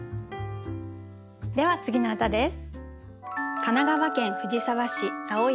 では次の歌です。